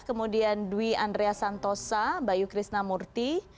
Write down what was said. kemudian dwi andrea santosa bayu krisna murti